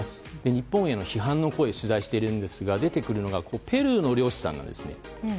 日本への批判の声を取材しているんですが出てくるのがペルーの漁師さんなんですね。